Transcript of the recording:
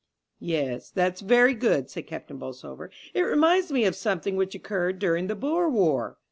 "Yes, that's very good," said Captain Bolsover; "it reminds me of something which occurred during the Boer War."